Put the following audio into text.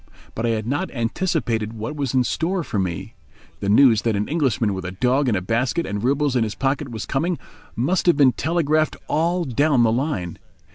But I had not anticipated what was in store for me. The news that an Englishman with a dog in a basket and roubles in his pocket was coming must have been telegraphed all down the line.